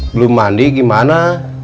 belum mandi gimana